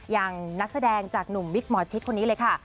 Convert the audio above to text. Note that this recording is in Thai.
อย่างนักแสดงจากหนุ่มวิกหมอชิดคนนี้เลยค่ะ